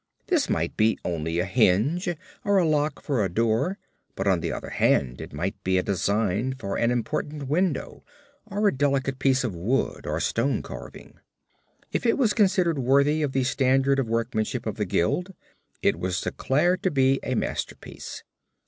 This might be only a hinge, or a lock for a door, but on the other hand it might be a design for an important window or a delicate piece of wood or stone carving. If it was considered worthy of the standard of workmanship of the guild it was declared to be a masterpiece.